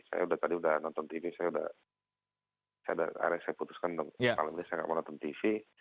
saya tadi udah nonton tv saya udah saya udah saya putuskan malam ini saya nggak mau nonton tv